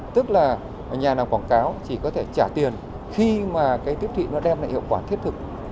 tức là nhà nào quảng cáo chỉ có thể trả tiền khi mà cái tiếp thị nó đem lại hiệu quả thiết thực